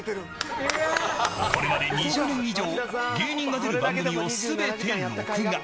これまで２０年以上芸人が出る番組を全て録画。